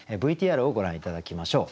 ＶＴＲをご覧頂きましょう。